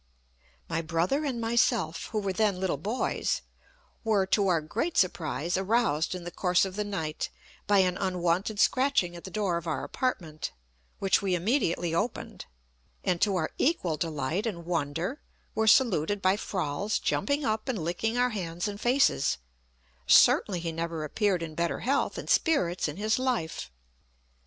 My brother and myself, who were then little boys, were, to our great surprise, aroused in the course of the night by an unwonted scratching at the door of our apartment, which we immediately opened, and, to our equal delight and wonder, were saluted by Froll's jumping up and licking our hands and faces certainly he never appeared in better health and spirits in his life.